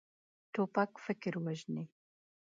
توپک فکر وژني.